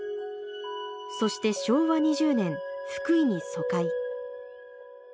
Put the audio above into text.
そして昭和２０年福井に疎開。